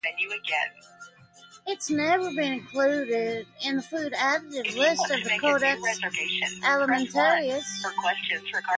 It has never been included in the food additives list of the Codex Alimentarius.